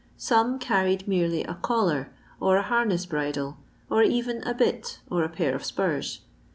Some carried merelj a collar, or a harness bridle, or even a bit or a pair of spurs.